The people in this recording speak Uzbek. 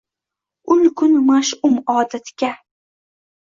Ul kun mash’um odatga.